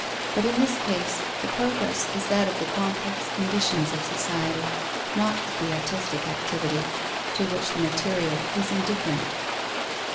But in this case, the progress is that of the complex conditions of society, not of the artistic activity, to which the material is indifferent.